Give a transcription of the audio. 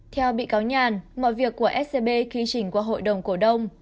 theo bị cáo nhàn mọi việc của scb kinh chỉnh qua hội đồng cổ đông